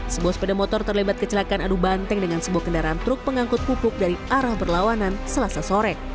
sebuah sepeda motor terlibat kecelakaan adu banteng dengan sebuah kendaraan truk pengangkut pupuk dari arah berlawanan selasa sore